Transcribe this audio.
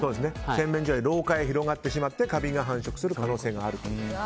洗面所や廊下に広がってしまってカビが繁殖する可能性があると。